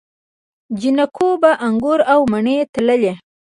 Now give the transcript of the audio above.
جانکو به انګور او مڼې تللې.